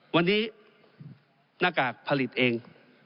วันนี้หน้ากากผลิตเอง